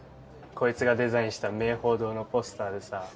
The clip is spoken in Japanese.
こいつがデザインした明報堂のポスターでさ